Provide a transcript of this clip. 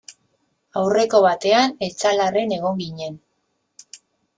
Aurreko batean Etxalarren egon ginen.